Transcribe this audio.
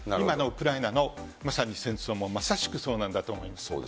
今のウクライナのまさに戦争も、まさしくそうなんだと思います。